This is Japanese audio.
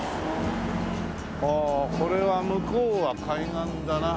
ああこれは向こうは海岸だな。